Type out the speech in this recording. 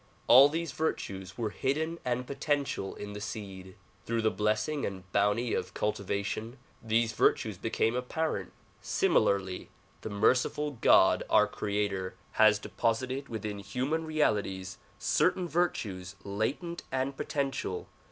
All these virtues were hid den and potential in the seed. Through the blessing and bounty of cultivation these virtues became apparent. Similarly the merciful God our creator has deposited within human realties certain vir tues latent and potential.